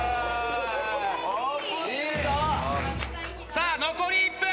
さあ残り１分。